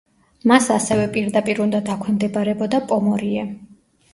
მას ასევე პირდაპირ უნდა დაქვემდებარებოდა პომორიე.